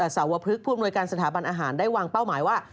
สาวพลึกผู้อำนวยการสถาบันอาหารได้วางเป้าหมายว่า